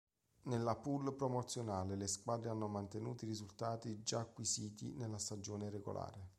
Nella "poule" promozione le squadre hanno mantenuto i risultati già acquisiti nella stagione regolare.